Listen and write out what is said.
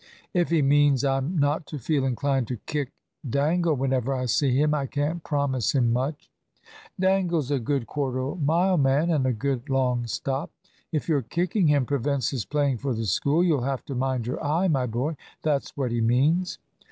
"If he means I'm not to feel inclined to kick Dangle whenever I see him, I can't promise him much." "Dangle's a good quarter mile man, and a good long stop. If your kicking him prevents his playing for the School, you'll have to mind your eye, my boy. That's what he means."